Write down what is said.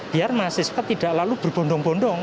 biar mahasiswa tidak lalu berbondong bondong